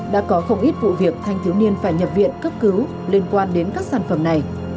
đã có không ít vụ việc thanh thiếu niên phải nhập viện cấp cứu liên quan đến các sản phẩm này